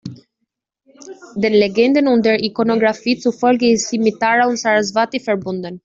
Den Legenden und der Ikonographie zufolge ist sie mit Tara und Sarasvati verbunden.